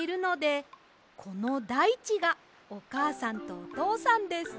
いちがおかあさんとおとうさんです。